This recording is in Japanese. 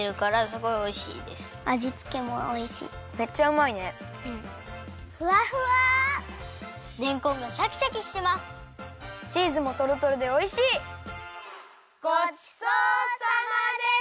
ごちそうさまでした！